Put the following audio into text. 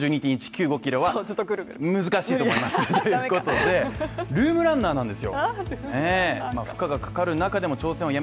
キロはずっとぐるぐる難しいと思いますということで、ルームランナーなんですよ